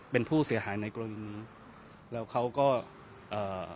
เป็นผู้เสียหายในกรณีแล้วเขาก็เอ่อ